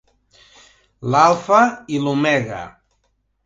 L'alfa i l'omega.